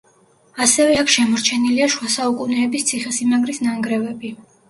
ასევე აქ შემორჩენილია შუა საუკუნეების ციხესიმაგრის ნანგრევები.